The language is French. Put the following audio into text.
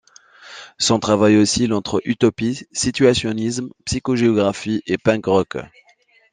Son travail oscille entre utopie, situationnisme, psychogéographie et punk rock.